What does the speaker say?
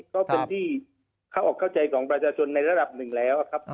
ก็เป็นที่เข้าออกเข้าใจของประชาชนในระดับหนึ่งแล้วครับ